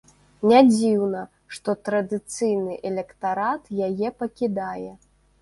Нядзіўна, што традыцыйны электарат яе пакідае.